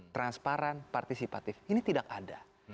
transparan partisipatif ini tidak ada